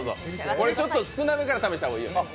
これちょっと少なめから試した方がいいよね？